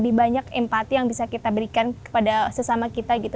lebih banyak empati yang bisa kita berikan kepada sesama kita gitu